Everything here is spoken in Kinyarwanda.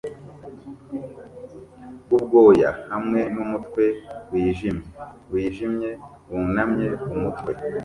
bwubwoya hamwe numutwe wijimye wijimye wunamye umutwe